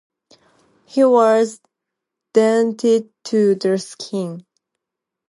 He was drenched to the skin.